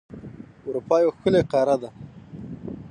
اروپا یو ښکلی قاره ده.